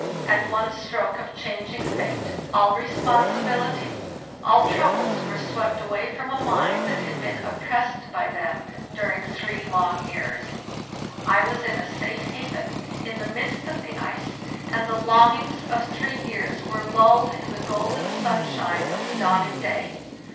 At one stroke of changing fate all responsibility, all troubles were swept away from a mind that had been oppressed by them during three long years; I was in a safe haven, in the midst of the ice, and the longings of three years were lulled in the golden sunshine of the dawning day.